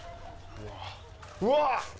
うわっ！